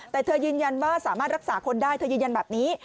แต่เธอยืนยันว่าสามารถรักษาคนได้เธอยืนยันแบบนี้